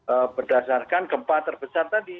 ee berdasarkan gempa terbesar tadi